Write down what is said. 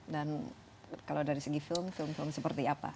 dan kalau dari segi film film film seperti apa